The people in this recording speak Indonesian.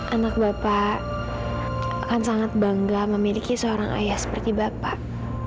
anak bapak akan sangat bangga memiliki seorang ayah seperti bapak